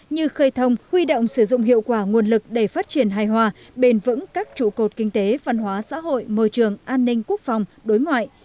như khơi thông huy động sử dụng hiệu quả nguồn lực để phát triển hài hòa bền vững các trụ cột kinh tế văn hóa xã hội môi trường an ninh quốc phòng đối ngoại